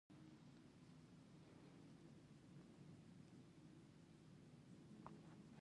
هغه پالیسي چې په اساس یې جنګ پیل شو غیر معقوله ده.